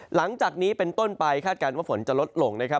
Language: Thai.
หลังจากนี้เป็นต้นไปคาดการณ์ว่าฝนจะลดลงนะครับ